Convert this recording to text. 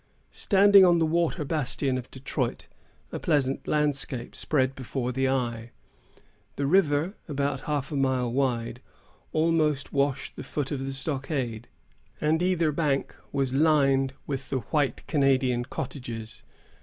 Standing on the water bastion of Detroit, a pleasant landscape spread before the eye. The river, about half a mile wide, almost washed the foot of the stockade; and either bank was lined with the white Canadian cottages.